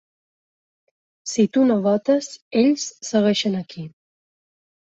Si tu no votes, ells segueixen aquí!